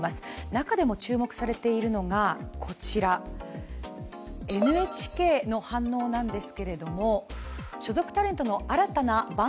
中でも注目されているのがこちら、ＮＨＫの反応なんです。